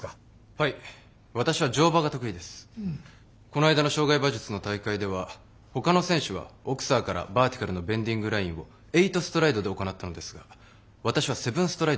この間の障害馬術の大会ではほかの選手はオクサーからバーティカルのベンディングラインをエイトストライドで行ったのですが私はセブンストライドにしました。